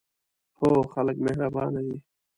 هو، خلک مهربانه دي